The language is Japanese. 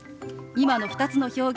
今の２つの表現